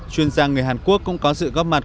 chuyên gia người hàn quốc cũng có sự góp mặt